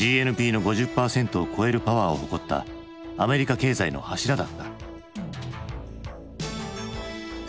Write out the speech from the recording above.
ＧＮＰの５０％を超えるパワーを誇ったアメリカ経済の柱だった。